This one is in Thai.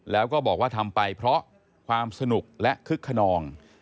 แล้วก็บอกว่าทำไปเพราะความสนุกและคึกขนอง